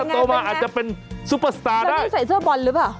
โตมาอาจจะเป็นซุปเปอร์สตาร์ได้ใส่เสื้อบอลหรือเปล่า